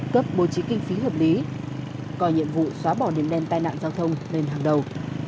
cấp bố trí kinh phí hợp lý coi nhiệm vụ xóa bỏ điểm đen tai nạn giao thông lên hàng đầu